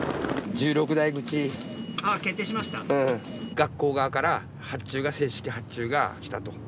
学校側から正式発注が来たと。